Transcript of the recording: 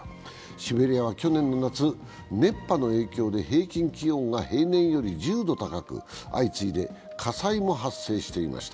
シベリアは去年の夏、熱波の影響で平均気温が平年より１０度高く相次いで火災も発生していました。